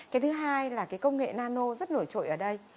cái thứ hai là cái công nghệ nano rất nổi trội ở đây